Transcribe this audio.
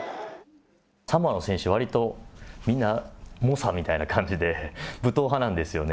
サモアの選手、わりと、みんな猛者みたいな感じで、武闘派なんですよね。